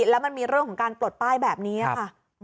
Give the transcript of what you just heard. แล้วมันมีเรื่องของการปลดป้ายแบบนี้ค่ะ